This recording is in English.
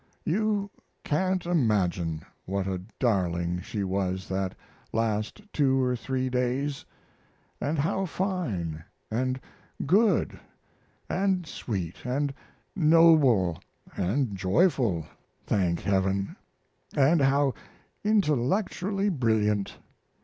You can't imagine what a darling she was that last two or three days; & how fine, & good, & sweet, & noble & joyful, thank Heaven! & how intellectually brilliant.